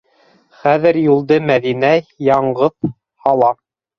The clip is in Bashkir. Хәҙер юлды Мәҙинә яңғыҙ һала.